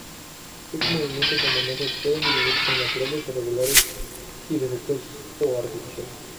Estos movimientos o manejos pueden dividirse en naturales o regulares y defectuosos o artificiales.